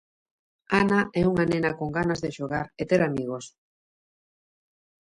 Ana é unha nena con ganas de xogar e ter amigos.